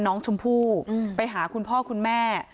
น้องชมพู่ไปหาคุณพ่อคุณแม่